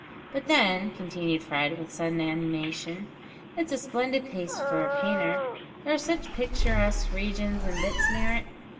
But then," continued Fred, with sudden animation, "it's a splendid place for a painter! There are such picturesque regions and bits near it.